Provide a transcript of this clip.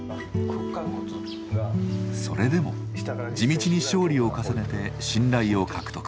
それでも地道に勝利を重ねて信頼を獲得。